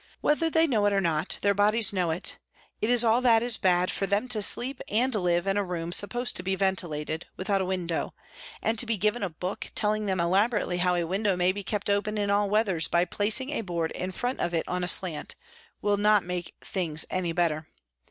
Whether they know it or not, their bodies know it it is all that is bad for them to sleep and live in a room supposed to be ventilated, without a window, and to be given a book telling them elaborately how a window may be kept open in all weathers by placing a board in front of it on a slant, will not make things any better.